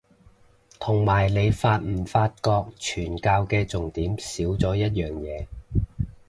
同埋你發唔發覺傳教嘅重點少咗一樣嘢